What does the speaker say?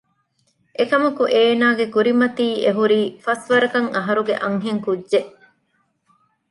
އެކަމަކު އޭނާގެ ކުރިމަތީ އެހުރީ ފަސްވަރަކަށް އަހަރުގެ އަންހެންކުއްޖެއް